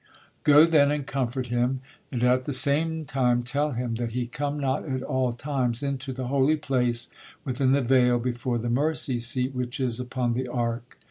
Go then, and comfort him; and at the same time tell him 'that he come not at all times into the holy place within the vail before the mercy seat, which is upon the Ark.'"